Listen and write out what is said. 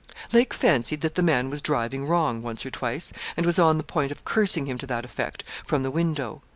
Lake fancied that the man was driving wrong, once or twice, and was on the point of cursing him to that effect, from the window.